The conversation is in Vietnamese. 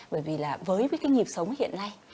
bởi vì là với cái nghiệp sống hiện nay